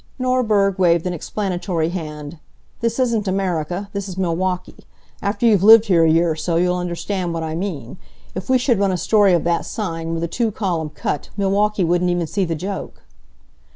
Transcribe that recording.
Norberg waved an explanatory hand. "This isn't America. This is Milwaukee. After you've lived here a year or so you'll understand what I mean. If we should run a story of that sign, with a two column cut, Milwaukee wouldn't even see the joke."